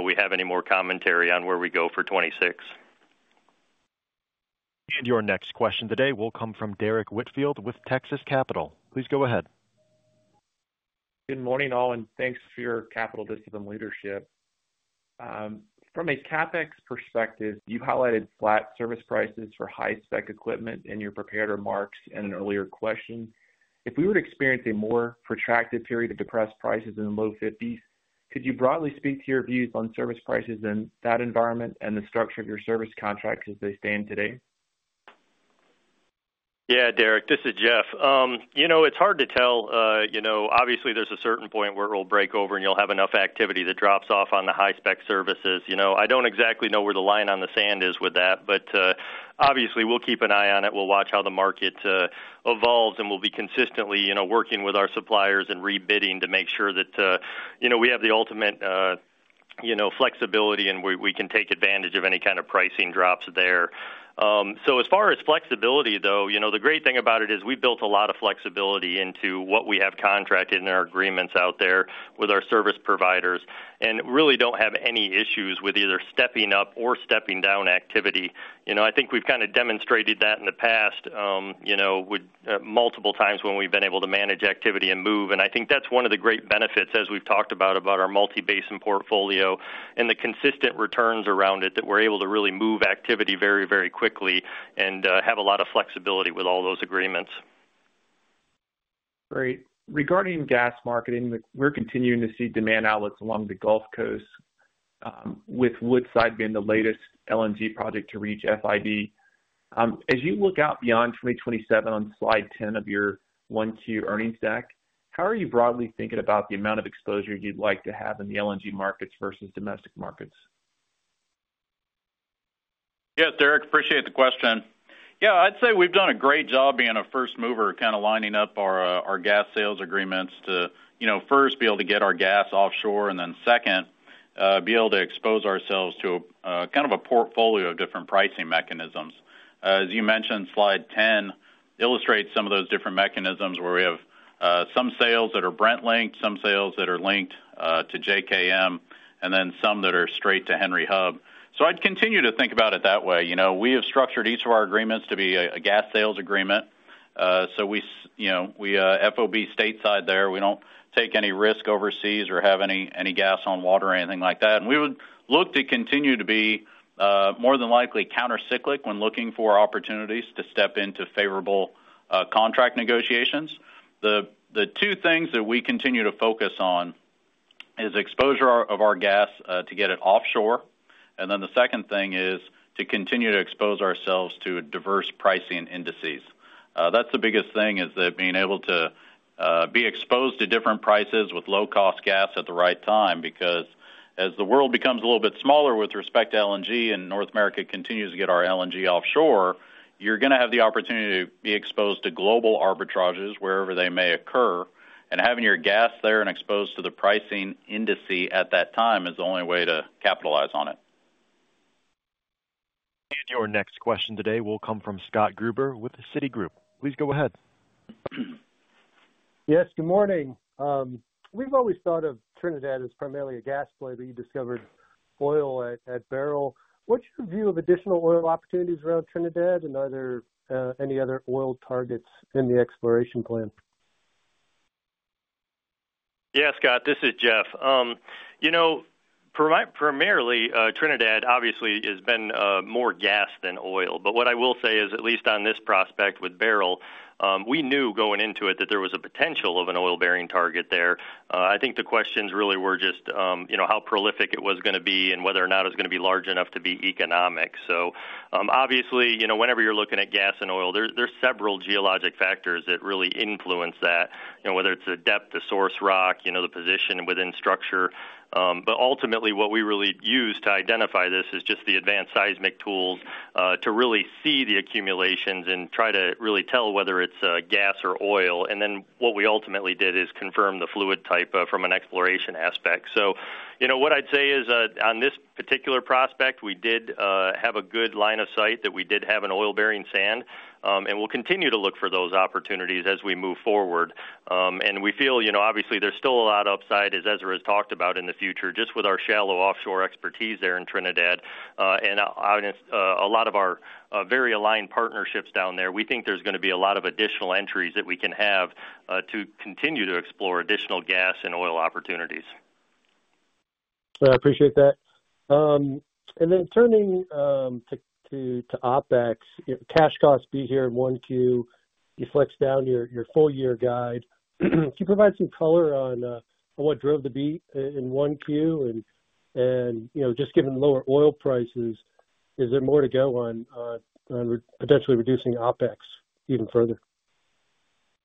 S5: we have any more commentary on where we go for 2026.
S1: Your next question today will come from Derrick Whitfield with Texas Capital. Please go ahead.
S11: Good morning, all, and thanks for your capital discipline leadership. From a CapEx perspective, you highlighted flat service prices for high-spec equipment in your prepared remarks and an earlier question. If we were to experience a more protracted period of depressed prices in the low 50s, could you broadly speak to your views on service prices in that environment and the structure of your service contracts as they stand today?
S5: Yeah, Derrick, this is Jeff. It's hard to tell. Obviously, there's a certain point where it will break over and you'll have enough activity that drops off on the high-spec services. I don't exactly know where the line on the sand is with that, but obviously, we'll keep an eye on it. We'll watch how the market evolves, and we'll be consistently working with our suppliers and rebidding to make sure that we have the ultimate flexibility and we can take advantage of any kind of pricing drops there. As far as flexibility, though, the great thing about it is we built a lot of flexibility into what we have contracted in our agreements out there with our service providers and really don't have any issues with either stepping up or stepping down activity. I think we've kind of demonstrated that in the past multiple times when we've been able to manage activity and move. I think that's one of the great benefits, as we've talked about, about our multi-basin portfolio and the consistent returns around it that we're able to really move activity very, very quickly and have a lot of flexibility with all those agreements.
S11: Great. Regarding gas marketing, we're continuing to see demand outlets along the Gulf Coast, with Woodside being the latest LNG project to reach FID. As you look out beyond 2027 on slide 10 of your 1Q earnings stack, how are you broadly thinking about the amount of exposure you'd like to have in the LNG markets versus domestic markets?
S3: Yeah, Derrick, appreciate the question. Yeah, I'd say we've done a great job being a first mover kind of lining up our gas sales agreements to first be able to get our gas offshore and then second, be able to expose ourselves to kind of a portfolio of different pricing mechanisms. As you mentioned, slide 10 illustrates some of those different mechanisms where we have some sales that are Brent-linked, some sales that are linked to JKM, and then some that are straight to Henry Hub. I'd continue to think about it that way. We have structured each of our agreements to be a gas sales agreement. We FOB stateside there. We do not take any risk overseas or have any gas on water or anything like that. We would look to continue to be more than likely countercyclic when looking for opportunities to step into favorable contract negotiations. The two things that we continue to focus on is exposure of our gas to get it offshore. The second thing is to continue to expose ourselves to diverse pricing indices. That's the biggest thing, being able to be exposed to different prices with low-cost gas at the right time because as the world becomes a little bit smaller with respect to LNG and North America continues to get our LNG offshore, you're going to have the opportunity to be exposed to global arbitrages wherever they may occur. Having your gas there and exposed to the pricing indice at that time is the only way to capitalize on it.
S1: Your next question today will come from Scott Gruber with Citigroup. Please go ahead.
S12: Yes, good morning. We've always thought of Trinidad as primarily a gas play that you discovered oil at Beryl. What's your view of additional oil opportunities around Trinidad and any other oil targets in the exploration plan?
S5: Yeah, Scott, this is Jeff. Primarily, Trinidad obviously has been more gas than oil. What I will say is, at least on this prospect with Beryl, we knew going into it that there was a potential of an oil-bearing target there. I think the questions really were just how prolific it was going to be and whether or not it was going to be large enough to be economic. Obviously, whenever you're looking at gas and oil, there are several geologic factors that really influence that, whether it's the depth, the source rock, the position within structure. Ultimately, what we really used to identify this is just the advanced seismic tools to really see the accumulations and try to really tell whether it's gas or oil. What we ultimately did is confirm the fluid type from an exploration aspect. What I'd say is on this particular prospect, we did have a good line of sight that we did have an oil-bearing sand. We'll continue to look for those opportunities as we move forward. We feel, obviously, there's still a lot of upside, as Ezra has talked about, in the future, just with our shallow offshore expertise there in Trinidad and a lot of our very aligned partnerships down there. We think there's going to be a lot of additional entries that we can have to continue to explore additional gas and oil opportunities.
S12: I appreciate that. Turning to OpEx, cash cost being here in 1Q, you flexed down your full-year guide. Can you provide some color on what drove the being in 1Q? Just given the lower oil prices, is there more to go on potentially reducing OpEx even further?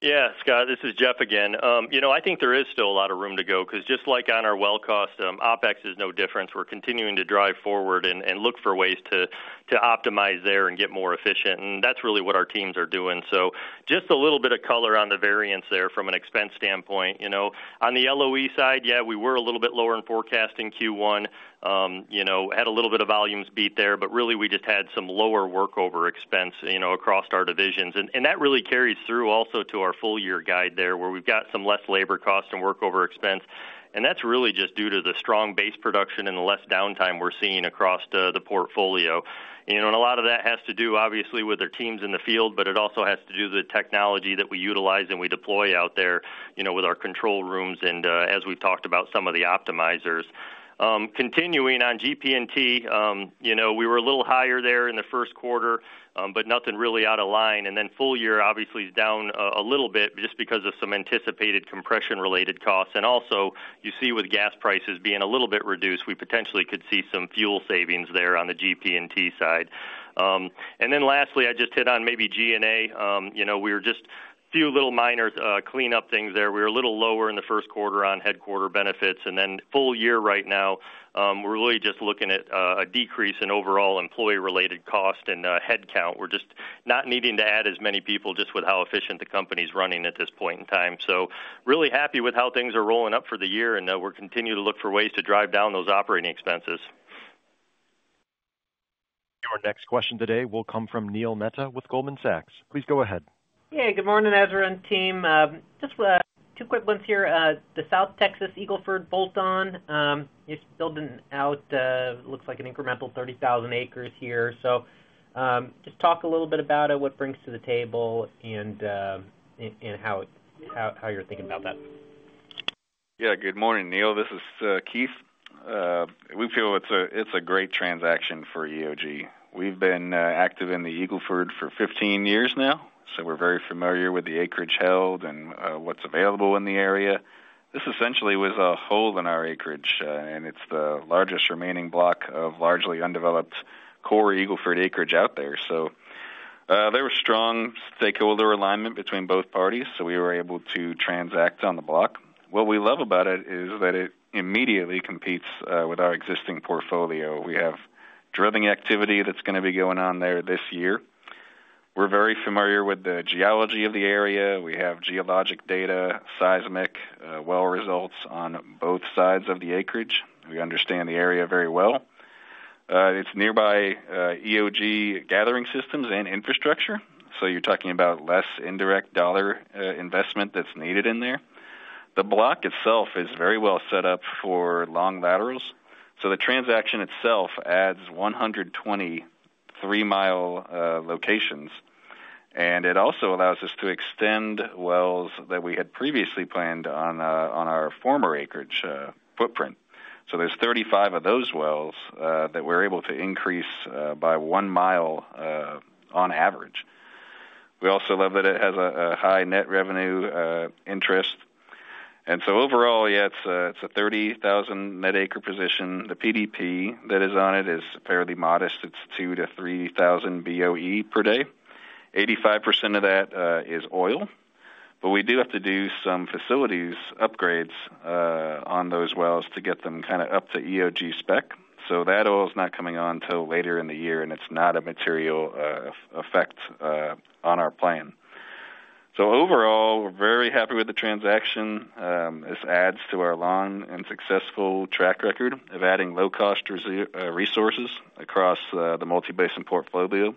S5: Yeah, Scott, this is Jeff again. I think there is still a lot of room to go because just like on our well cost, OpEx is no different. We're continuing to drive forward and look for ways to optimize there and get more efficient. That's really what our teams are doing. Just a little bit of color on the variance there from an expense standpoint. On the LOE side, yeah, we were a little bit lower in forecast in Q1, had a little bit of volumes beat there, but really we just had some lower workover expense across our divisions. That really carries through also to our full-year guide there where we've got some less labor cost and workover expense. That's really just due to the strong base production and the less downtime we're seeing across the portfolio. A lot of that has to do, obviously, with our teams in the field, but it also has to do with the technology that we utilize and we deploy out there with our control rooms and, as we've talked about, some of the optimizers. Continuing on GP&T, we were a little higher there in the first quarter, but nothing really out of line. The full year, obviously, is down a little bit just because of some anticipated compression-related costs. Also, you see with gas prices being a little bit reduced, we potentially could see some fuel savings there on the GP&T side. Lastly, I just hit on maybe G&A. We were just a few little minor cleanup things there. We were a little lower in the first quarter on headquarter benefits. Full year right now, we're really just looking at a decrease in overall employee-related cost and headcount. We're just not needing to add as many people just with how efficient the company's running at this point in time. Really happy with how things are rolling up for the year, and we'll continue to look for ways to drive down those operating expenses.
S1: Your next question today will come from Neil Mehta with Goldman Sachs. Please go ahead.
S13: Hey, good morning, Ezra and team. Just two quick ones here. The South Texas Eagle Ford bolt-on, you're building out, looks like an incremental 30,000 acres here. Just talk a little bit about it, what it brings to the table, and how you're thinking about that.
S14: Yeah, good morning, Neil. This is Keith. We feel it's a great transaction for EOG. We've been active in the Eagle Ford for 15 years now, so we're very familiar with the acreage held and what's available in the area. This essentially was a hole in our acreage, and it's the largest remaining block of largely undeveloped core Eagle Ford acreage out there. There was strong stakeholder alignment between both parties, so we were able to transact on the block. What we love about it is that it immediately competes with our existing portfolio. We have drilling activity that's going to be going on there this year. We're very familiar with the geology of the area. We have geologic data, seismic well results on both sides of the acreage. We understand the area very well. It's nearby EOG gathering systems and infrastructure. You're talking about less indirect dollar investment that's needed in there. The block itself is very well set up for long laterals. The transaction itself adds 120 three-mile locations. It also allows us to extend wells that we had previously planned on our former acreage footprint. There are 35 of those wells that we're able to increase by one mile on average. We also love that it has a high net revenue interest. Overall, it's a 30,000 net acre position. The PDP that is on it is fairly modest. It's 2,000-3,000 BOE per day. 85% of that is oil. We do have to do some facilities upgrades on those wells to get them kind of up to EOG spec. That oil is not coming on until later in the year, and it's not a material effect on our plan. Overall, we're very happy with the transaction. This adds to our long and successful track record of adding low-cost resources across the multi-basin portfolio,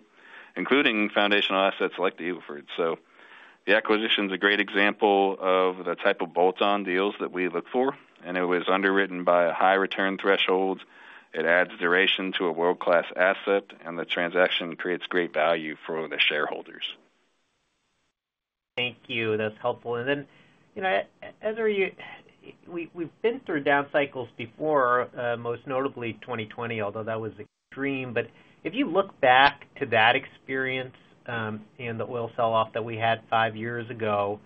S14: including foundational assets like the Eagle Ford. The acquisition is a great example of the type of bolt-on deals that we look for. It was underwritten by a high return threshold. It adds duration to a world-class asset, and the transaction creates great value for the shareholders.
S13: Thank you. That's helpful. Then, Ezra, we've been through down cycles before, most notably 2020, although that was extreme. If you look back to that experience and the oil sell-off that we had five years ago,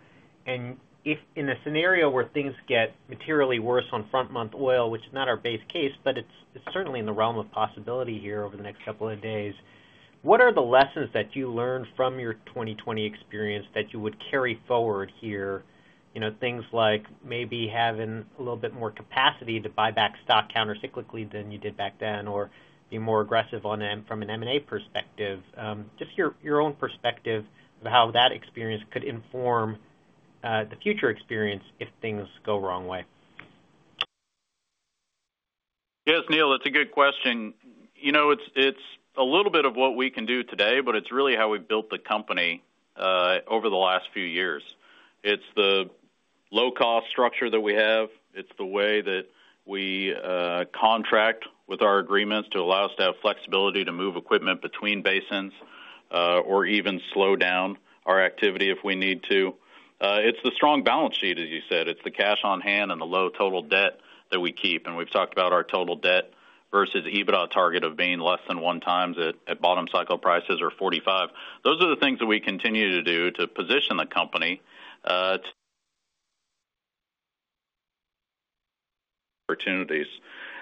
S13: and in a scenario where things get materially worse on front-month oil, which is not our base case, but it's certainly in the realm of possibility here over the next couple of days, what are the lessons that you learned from your 2020 experience that you would carry forward here? Things like maybe having a little bit more capacity to buy back stock countercyclically than you did back then or be more aggressive from an M&A perspective. Just your own perspective of how that experience could inform the future experience if things go wrong way.
S3: Yes, Neil, that's a good question. It's a little bit of what we can do today, but it's really how we've built the company over the last few years. It's the low-cost structure that we have. It's the way that we contract with our agreements to allow us to have flexibility to move equipment between basins or even slow down our activity if we need to. It's the strong balance sheet, as you said. It's the cash on hand and the low total debt that we keep. We have talked about our total debt versus EBITDA target of being less than one times at bottom cycle prices or $45. Those are the things that we continue to do to position the company. Opportunities.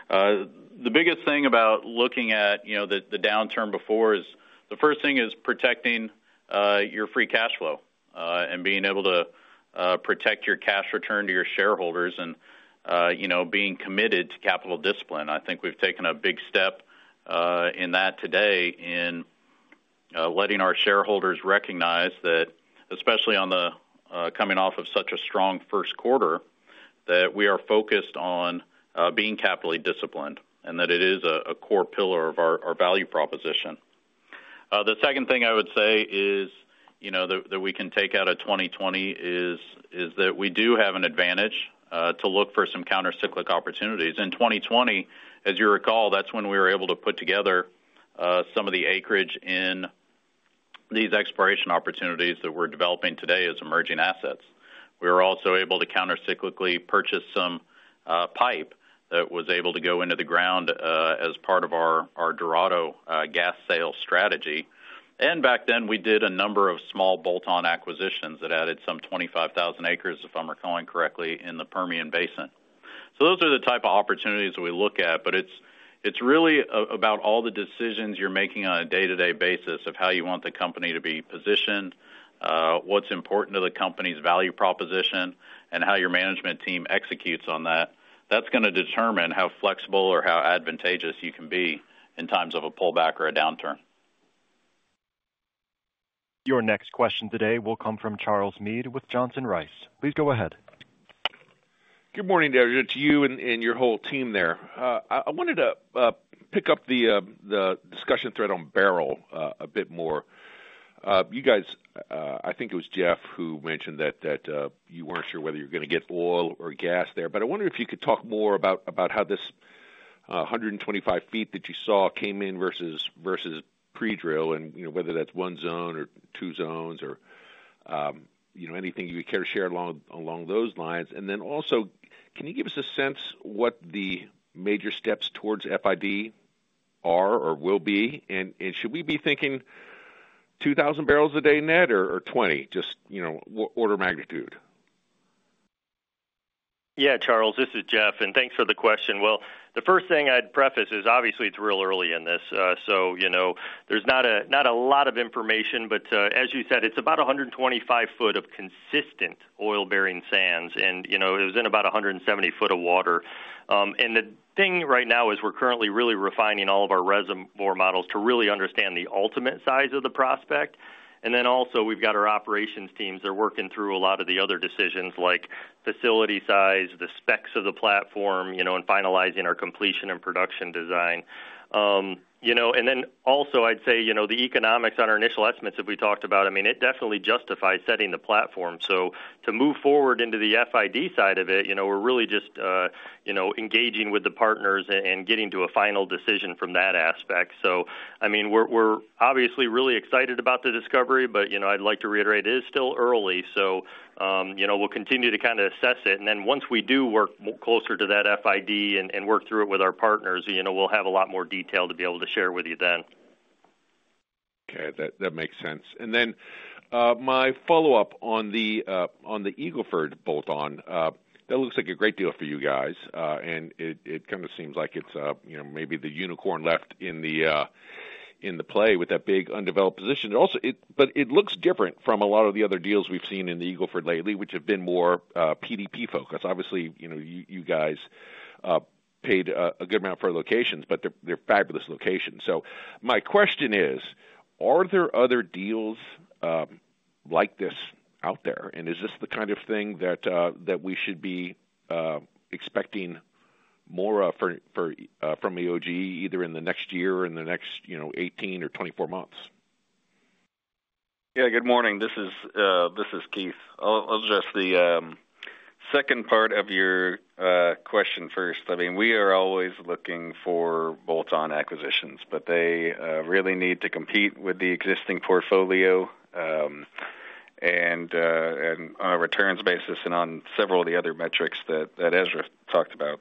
S3: The biggest thing about looking at the downturn before is the first thing is protecting your free cash flow and being able to protect your cash return to your shareholders and being committed to capital discipline. I think we've taken a big step in that today in letting our shareholders recognize that, especially coming off of such a strong first quarter, that we are focused on being capitally disciplined and that it is a core pillar of our value proposition. The second thing I would say is that we can take out of 2020 is that we do have an advantage to look for some countercyclic opportunities. In 2020, as you recall, that's when we were able to put together some of the acreage in these exploration opportunities that we're developing today as emerging assets. We were also able to countercyclically purchase some pipe that was able to go into the ground as part of our Dorado gas sale strategy. Back then, we did a number of small bolt-on acquisitions that added some 25,000 acres, if I'm recalling correctly, in the Permian Basin. Those are the type of opportunities that we look at. It is really about all the decisions you're making on a day-to-day basis of how you want the company to be positioned, what's important to the company's value proposition, and how your management team executes on that. That is going to determine how flexible or how advantageous you can be in times of a pullback or a downturn.
S1: Your next question today will come from Charles Meade with Johnson Rice. Please go ahead.
S15: Good morning, Ezra. To you and your whole team there. I wanted to pick up the discussion thread on Beryl a bit more. You guys, I think it was Jeff who mentioned that you were not sure whether you are going to get oil or gas there. I wonder if you could talk more about how this 125 feet that you saw came in versus pre-drill and whether that is one zone or two zones or anything you would care to share along those lines. Also, can you give us a sense of what the major steps towards FID are or will be? Should we be thinking 2,000 barrels a day net or 20, just order of magnitude?
S5: Yeah, Charles, this is Jeff. Thanks for the question. The first thing I'd preface is, obviously, it's real early in this. There's not a lot of information, but as you said, it's about 125 foot of consistent oil-bearing sands. It was in about 170 foot of water. The thing right now is we're currently really refining all of our reservoir models to really understand the ultimate size of the prospect. Also, we've got our operations teams that are working through a lot of the other decisions like facility size, the specs of the platform, and finalizing our completion and production design. I'd say the economics on our initial estimates that we talked about, I mean, it definitely justifies setting the platform. To move forward into the FID side of it, we're really just engaging with the partners and getting to a final decision from that aspect. I mean, we're obviously really excited about the discovery, but I'd like to reiterate it is still early. We'll continue to kind of assess it. Once we do work closer to that FID and work through it with our partners, we'll have a lot more detail to be able to share with you then.
S15: Okay. That makes sense. My follow-up on the Eagle Ford bolt-on, that looks like a great deal for you guys. It kind of seems like it's maybe the unicorn left in the play with that big undeveloped position. It looks different from a lot of the other deals we've seen in the Eagle Ford lately, which have been more PDP-focused. Obviously, you guys paid a good amount for locations, but they're fabulous locations. My question is, are there other deals like this out there? Is this the kind of thing that we should be expecting more from EOG either in the next year or in the next 18 or 24 months?
S14: Yeah, good morning. This is Keith. I'll address the second part of your question first. I mean, we are always looking for bolt-on acquisitions, but they really need to compete with the existing portfolio and on a returns basis and on several of the other metrics that Ezra talked about.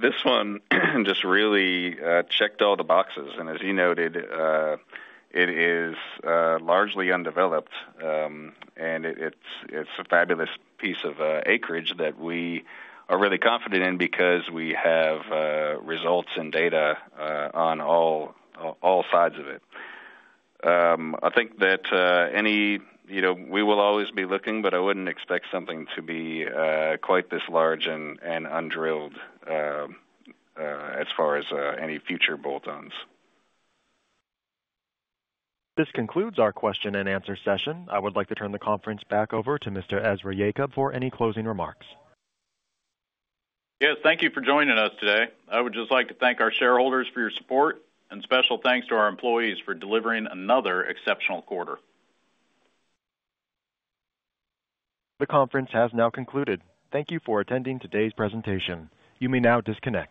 S14: This one just really checked all the boxes. As you noted, it is largely undeveloped. It is a fabulous piece of acreage that we are really confident in because we have results and data on all sides of it. I think that we will always be looking, but I would not expect something to be quite this large and undrilled as far as any future bolt-ons.
S1: This concludes our question-and-answer session. I would like to turn the conference back over to Mr. Ezra Yacob for any closing remarks.
S3: Yes, thank you for joining us today. I would just like to thank our shareholders for your support and special thanks to our employees for delivering another exceptional quarter.
S1: The conference has now concluded. Thank you for attending today's presentation. You may now disconnect.